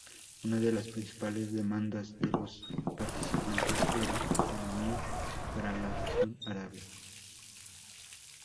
Una de las principales demandas de los participantes era autonomía para la región árabe.